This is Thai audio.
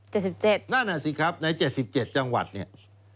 ๗๗จังหวัดนั่นแหละสิครับใน๗๗จังหวัดเนี่ย